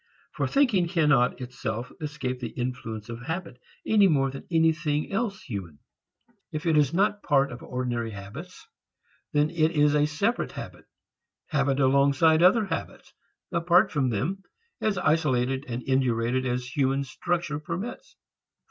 For thinking cannot itself escape the influence of habit, any more than anything else human. If it is not a part of ordinary habits, then it is a separate habit, habit alongside other habits, apart from them, as isolated and indurated as human structure permits.